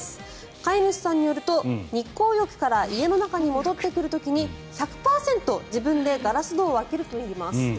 飼い主さんによると、日光浴から家の中に戻ってくる時に１００％、自分でガラス戸を開けるといいます。